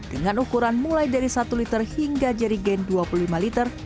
dengan ukuran mulai dari satu liter hingga jerigen dua puluh lima liter